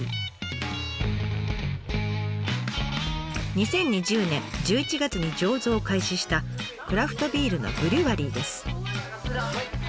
２０２０年１１月に醸造を開始したクラフトビールのブリュワリーです。